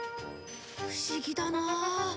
不思議だな。